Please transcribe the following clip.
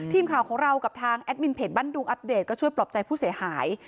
ทีมข่าวของเรากับทางแอดมินเพจบ้านดุงอัปเดตก็ช่วยปลอบใจผู้เสียหาย